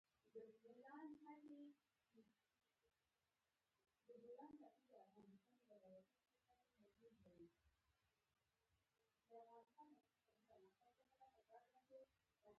کارکوونکي د پیسو د لیږد د فیس په اړه معلومات ورکوي.